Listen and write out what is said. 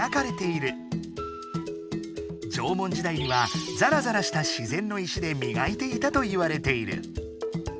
縄文時代にはザラザラした自然の石で磨いていたといわれている。